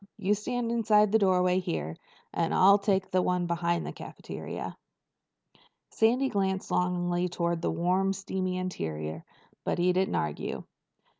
You stand inside this doorway here, and I'll take the one beyond the cafeteria." Sandy glanced longingly toward the warm steamy interior, but he didn't argue.